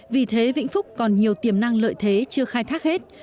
vì thế vĩnh phúc còn nhiều tiềm năng lợi thế chưa khai thác hết